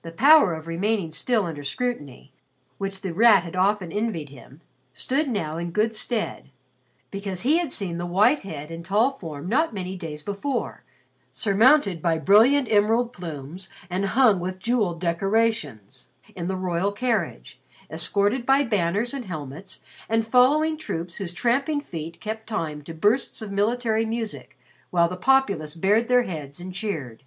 The power of remaining still under scrutiny, which The Rat had often envied him, stood now in good stead because he had seen the white head and tall form not many days before, surmounted by brilliant emerald plumes, hung with jeweled decorations, in the royal carriage, escorted by banners, and helmets, and following troops whose tramping feet kept time to bursts of military music while the populace bared their heads and cheered.